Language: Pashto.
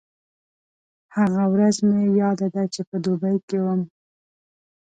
هغه ورځ مې یاده ده چې په دوبۍ کې وم.